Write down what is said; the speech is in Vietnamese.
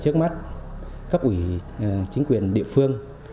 trước mắt cấp ủy chính quyền địa phương